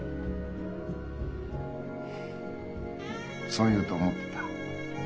そう言うと思ってた。